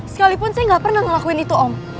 sekalipun saya gak pernah ngelakuin itu om